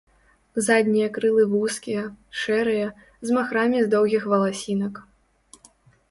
Заднія крылы вузкія, шэрыя, з махрамі з доўгіх валасінак.